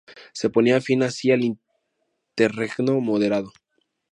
Se ponía fin así al interregno moderado.